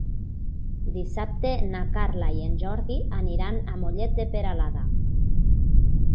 Dissabte na Carla i en Jordi aniran a Mollet de Peralada.